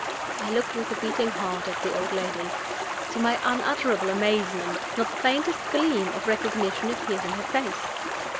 I looked with a beating heart at the old lady. To my unutterable amazement, not the faintest gleam of recognition appeared in her face.